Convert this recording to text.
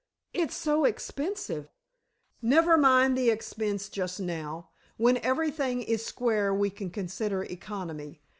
"It's so expensive." "Never mind the expense, just now. When everything is square we can consider economy.